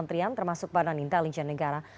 selamat sore mbak nana